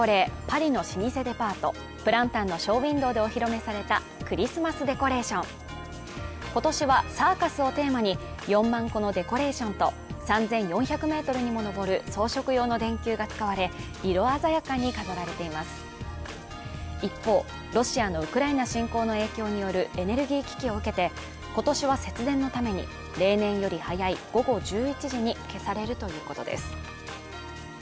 パリの老舗デパートプランタンのショーウインドーでお披露目されたクリスマスデコレーション今年はサーカスをテーマに４万個のデコレーションと３４００メートルにも上る装飾用の電球が使われ色鮮やかに飾られています一方ロシアのウクライナ侵攻の影響によるエネルギー危機を受けて今年は節電のために例年より早い午後１１時に消されるということです